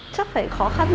chắc phải khó khăn